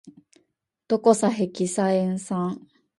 ドコサヘキサエン酸